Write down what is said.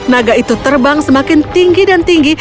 naga itu terbang semakin tinggi dan tinggi